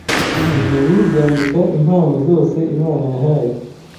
Ijuru ryandika impano zose Imana yahaye